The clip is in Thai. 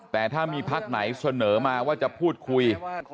แต่ถ้ามีพักไหนเสนอมาว่าจะพูดคุย